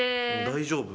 大丈夫？